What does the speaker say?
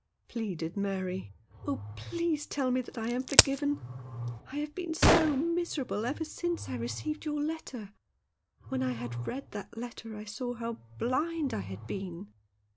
pleaded Mary. " Oh, please tell me that I am forgiven. I have been so miserable ever since I received your letter. When I had read that letter I saw how blind I had been.